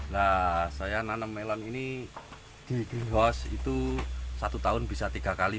nah saya nanam melon ini di ghos itu satu tahun bisa tiga kali